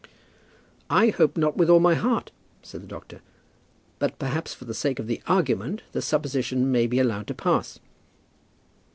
"I hope not, with all my heart," said the doctor. "But, perhaps, for the sake of the argument, the supposition may be allowed to pass."